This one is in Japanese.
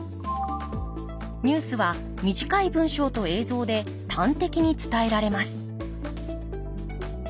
ニュースは短い文章と映像で端的に伝えられます